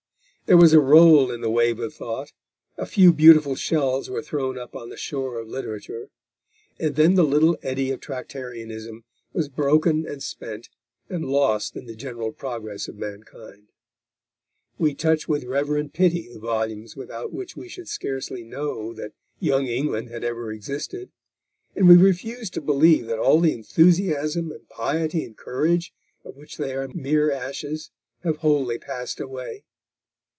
There was a roll in the wave of thought, a few beautiful shells were thrown up on the shore of literature, and then the little eddy of Tractarianism was broken and spent, and lost in the general progress of mankind. We touch with reverend pity the volumes without which we should scarcely know that Young England had ever existed, and we refuse to believe that all the enthusiasm and piety and courage of which they are the mere ashes have wholly passed away.